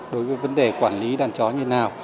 đối với vấn đề quản lý đàn chó như nào